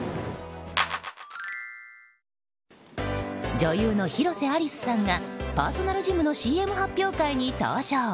女優の広瀬アリスさんがパーソナルジムのＣＭ発表会に登場。